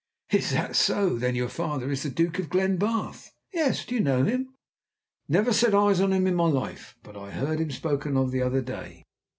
"Is that so? Then your father is the Duke of Glenbarth?" "Yes. Do you know him?" "Never set eyes on him in my life, but I heard him spoken of the other day."